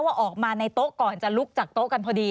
ออกมาในโต๊ะก่อนจะลุกจากโต๊ะกันพอดี